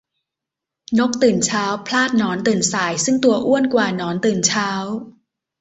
นกตื่นเช้า พลาดหนอนตื่นสาย ซึ่งตัวอ้วนกว่าหนอนตื่นเช้า